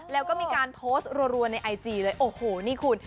แล้วก็มีการโพสต์รัวในไอจีเลยโอ้โหนี่คุณ